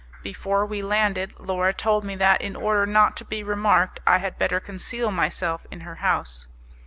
Before we landed, Laura told me that, in order not to be remarked, I had better conceal myself in her house.